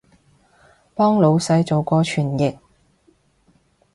幫腦闆做過傳譯